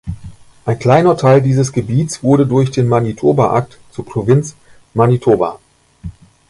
Ein kleiner Teil dieses Gebiets wurde durch den Manitoba Act zur Provinz Manitoba.